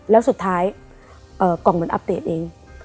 แล้วสุดท้ายกล่องเหมือนอัปเดตเอง